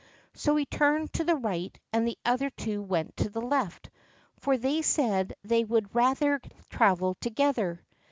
So he turned to the right, and the other two went to the left, for they said they would rather travel together.